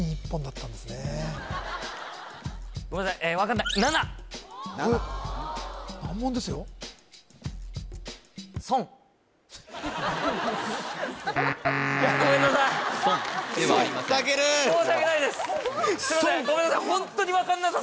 たける申し訳ないですごめんなさい